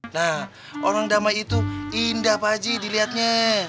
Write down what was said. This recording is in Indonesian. nah orang damai itu indah pak haji dilihatnya